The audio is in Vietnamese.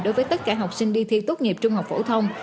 đối với tất cả học sinh đi thi tốt nghiệp trung học phổ thông